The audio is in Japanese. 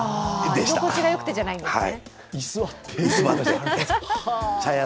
居心地がよくてじゃないんですね。